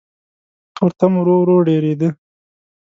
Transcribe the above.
تورتم ورو ورو ډېرېده.